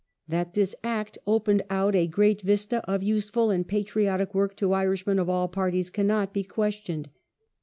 That this Act opened out a " great vista of useful and patriotic work "^ to Irishmen of all parties cannot be questioned.